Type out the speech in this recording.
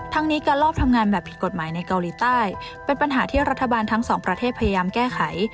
นี้การลอบทำงานแบบผิดกฎหมายในเกาหลีใต้เป็นปัญหาที่รัฐบาลทั้งสองประเทศพยายามแก้ไข